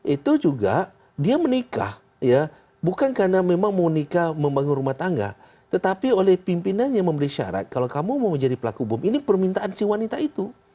itu juga dia menikah ya bukan karena memang mau nikah membangun rumah tangga tetapi oleh pimpinannya memberi syarat kalau kamu mau menjadi pelaku bom ini permintaan si wanita itu